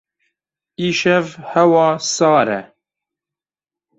Îşev hewa sar e.